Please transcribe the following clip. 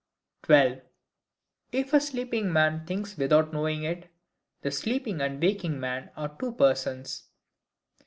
12. If a sleeping Man thinks without knowing it, the sleeping and waking Man are two Persons.